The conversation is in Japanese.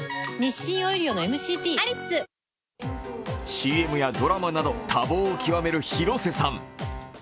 ＣＭやドラマなど多忙を極める広瀬さん。